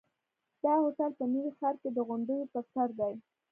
دا هوټل په نوي ښار کې د غونډیو پر سر دی.